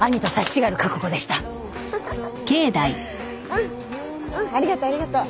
ありがとうありがとう。